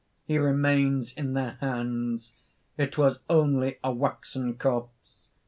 He remains in their hands! It was only a waxen corpse.